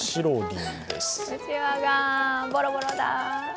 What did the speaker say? うちわが、ボロボロだ。